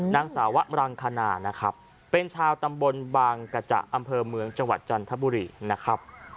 นางสาวะมรังคณานะครับเป็นชาวตำบลบางกระจะอำเภอเมืองจังหวัดจันทบุรีนะครับ